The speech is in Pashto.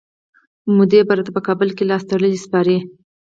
مودي به راته په کابل کي لاستړلی سپارئ.